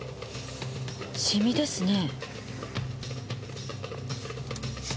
シミですね。